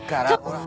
ほら。